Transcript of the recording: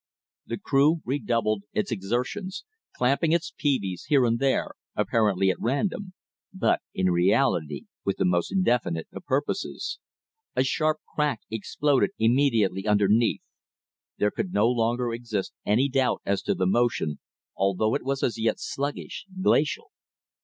The crew redoubled its exertions, clamping its peaveys here and there, apparently at random, but in reality with the most definite of purposes. A sharp crack exploded immediately underneath. There could no longer exist any doubt as to the motion, although it was as yet sluggish, glacial.